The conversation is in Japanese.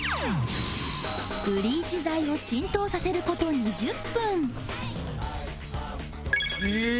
ブリーチ剤を浸透させる事２０分